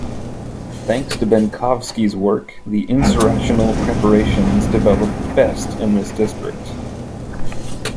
Thanks to Benkovski's work, the insurrectional preparations developed best in this district.